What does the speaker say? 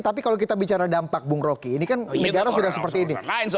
tapi kalau kita bicara dampak bung rocky negara sudah seperti ini